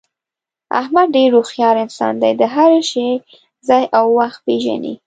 احمد ډېر هوښیار انسان دی، د هر شي ځای او وخت پېژني.